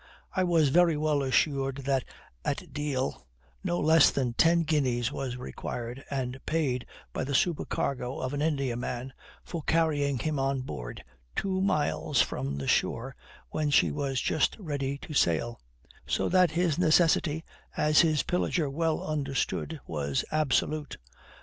I was very well assured that at Deal no less than ten guineas was required, and paid by the supercargo of an Indiaman, for carrying him on board two miles from the shore when she was just ready to sail; so that his necessity, as his pillager well understood, was absolute.